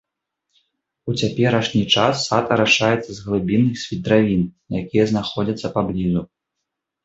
У цяперашні час сад арашаецца з глыбінных свідравін, якія знаходзяцца паблізу.